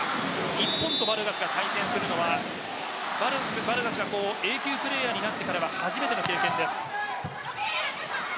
日本とバルガスが対戦するのはバルガスがＡ級プレーヤーになってからは初めての経験です。